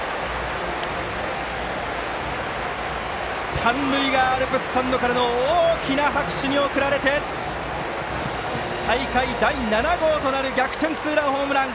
三塁側のアルプススタンドからの大きな拍手に送られて大会第７号となる逆転ツーランホームラン！